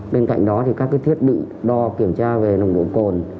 bên cạnh đó thì các thiết bị đo kiểm tra về nồng độ cồn